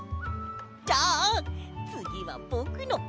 じゃあつぎはぼくの！